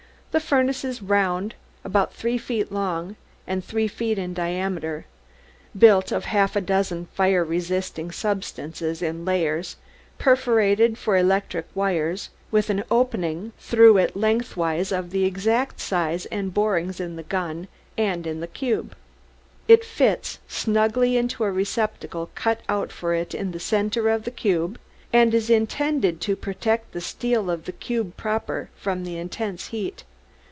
The furnace is round, about three feet long and three feet in diameter, built of half a dozen fire resisting substances in layers, perforated for electric wires, with an opening through it lengthwise of the exact size of the borings in the guns and in the cube. It fits snugly into a receptacle cut out for it in the center of the cube, and is intended to protect the steel of the cube proper from the intense heat.